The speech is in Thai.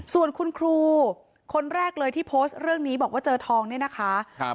ส่วนคุณครูคนแรกเลยที่โพสต์เรื่องนี้บอกว่าเจอทองเนี่ยนะคะ